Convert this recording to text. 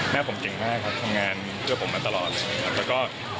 แม่ผมเก่งมากครับทำงานเพื่อผมมาตลอด